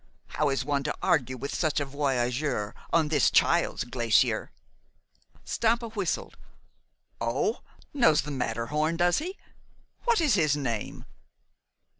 How is one to argue with such a voyageur on this child's glacier?" Stampa whistled. "Oh knows the Matterhorn, does he? What is his name?"